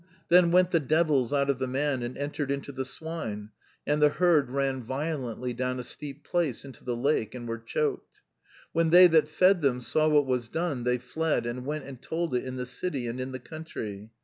"'Then went the devils out of the man and entered into the swine; and the herd ran violently down a steep place into the lake, and were choked. "'When they that fed them saw what was done, they fled, and went and told it in the city and in the country.